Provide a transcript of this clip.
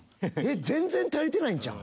全然足りてないんちゃう？